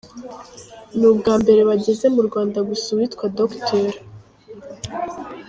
Ni ubwa mbere bageze mu Rwanda gusa uwitwa Dr.